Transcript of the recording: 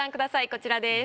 こちらです。